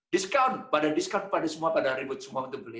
discount pada diskon pada semua pada ribut semua untuk beli